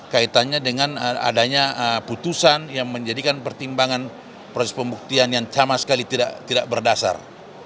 kaitannya dengan adanya putusan yang menjadikan pertimbangan proses pembuktian yang sama sekali tidak berdasar